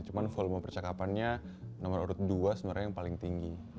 cuma volume percakapannya nomor urut dua sebenarnya yang paling tinggi